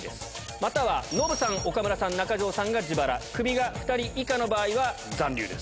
または、ノブさん、岡村さん、中条さんが自腹、クビが２人以下の場合は残留です。